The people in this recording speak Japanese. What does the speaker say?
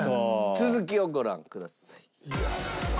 続きをご覧ください。